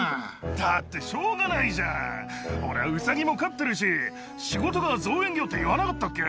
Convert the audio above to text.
だって、しょうがないじゃん。俺はウサギも飼ってるし、仕事が造園業って言わなかったっけ？